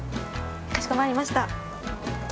かしこまりました。